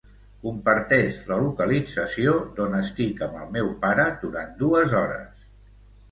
Comparteix la localització d'on estic amb el meu pare durant dues hores.